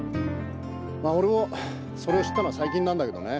まあ俺もそれを知ったのは最近なんだけどね。